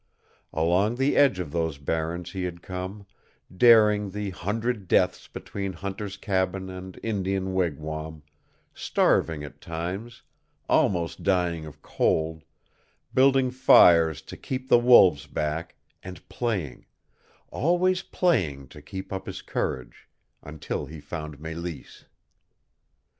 Along the edge of those barrens he had come, daring the hundred deaths between hunter's cabin and Indian wigwam, starving at times, almost dying of cold, building fires to keep the wolves back, and playing always playing to keep up his courage, until he found Mélisse.